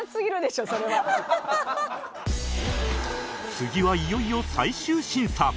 次はいよいよ最終審査